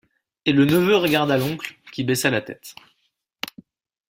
Et le neveu regarda l’oncle qui baissa la tête.